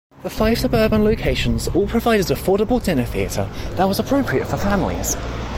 The five suburban locations all provided affordable dinner theatre that was appropriate for families.